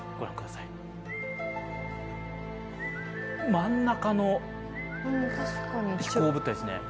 真ん中の飛行物体ですね。